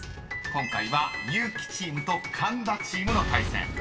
［今回は結木チームと神田チームの対戦］